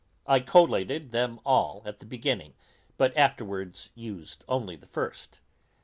I collated them all at the beginning, but afterwards used only the first.